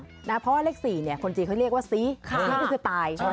เพราะว่าเลขสี่คนจีนเขาเรียกว่าสิคือตาย